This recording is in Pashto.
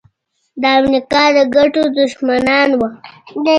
د امریکا د ګټو دښمنان وو.